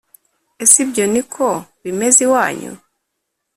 Ese ibyo ni ko bimeze iwanyu